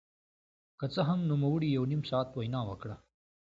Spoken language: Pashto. که څه هم نوموړي يو نيم ساعت وينا وکړه.